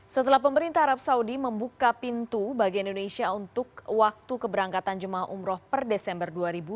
setelah pemerintah arab saudi membuka pintu bagi indonesia untuk waktu keberangkatan jemaah umroh per desember dua ribu dua puluh